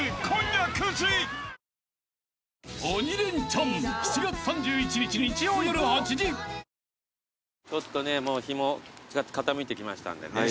ちょっとねもう日も傾いてきましたんでね。